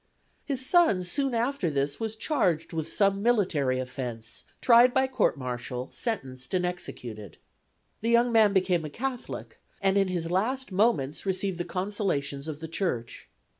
His son soon after this was charged with some military offense, tried by court martial sentenced and executed. The young man became a Catholic, and in his last moments received the consolations of the Church.